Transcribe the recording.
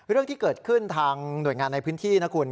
เรื่องที่เกิดขึ้นทางหน่วยงานในพื้นที่นะคุณ